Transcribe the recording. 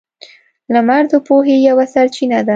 • لمر د پوهې یوه سرچینه ده.